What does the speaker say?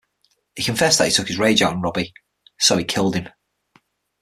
He confessed that he took his rage out on Robie, so he killed him.